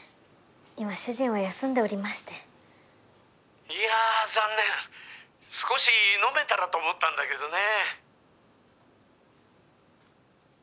今主人は休んでおりましていや残念少し飲めたらと思ったんだけどねぇ